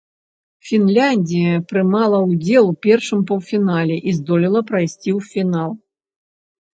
Фінляндыя прымала ўдзел у першым паўфінале і здолела прайсці ў фінал.